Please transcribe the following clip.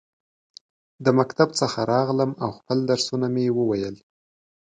د مکتب څخه راغلم ، او خپل درسونه مې وویل.